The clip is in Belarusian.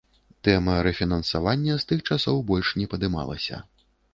Тэма рэфінансавання з тых часоў больш не падымалася.